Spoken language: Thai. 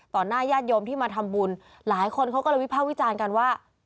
หน้าญาติโยมที่มาทำบุญหลายคนเขาก็เลยวิภาควิจารณ์กันว่า